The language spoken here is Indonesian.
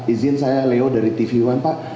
izin saya leo dari tv one pak